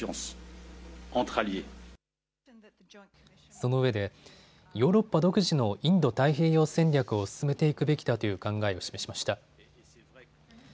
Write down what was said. そのうえでヨーロッパ独自のインド太平洋戦略を進めていくべきだという考えを示しました。